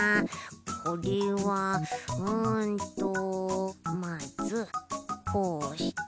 これはうんとまずこうして。